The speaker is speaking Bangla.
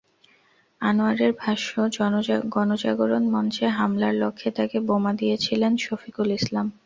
আনোয়ারের ভাষ্য, গণজাগরণ মঞ্চে হামলার লক্ষ্যে তাঁকে বোমা দিয়েছিলেন শফিকুল ইসলাম।